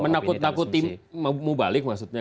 menakut takuti mau balik maksudnya